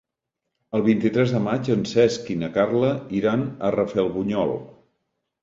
El vint-i-tres de maig en Cesc i na Carla iran a Rafelbunyol.